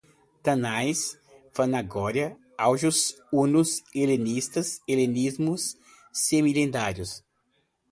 Tánais, Fanagoria, Aujo, hunos, helenistas, helenismo, semilendário